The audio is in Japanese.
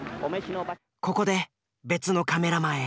ここで別のカメラマンへ。